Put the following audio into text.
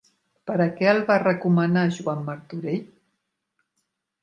Per a què el va recomanar Joan Martorell?